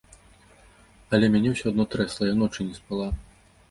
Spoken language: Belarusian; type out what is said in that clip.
Але мяне ўсё адно трэсла, я ночы не спала.